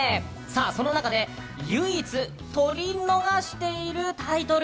その中で唯一とり逃しているタイトル